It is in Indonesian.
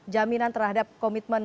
jaminan terhadap komitmen